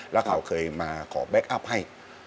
แล้วเขาเคยมาขอแก๊คอัพให้